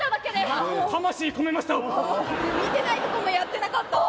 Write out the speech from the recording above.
見てないとこもやってなかった？